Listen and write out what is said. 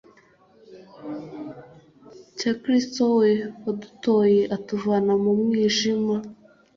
cya kristu we wadutoye atuvana mu mwijima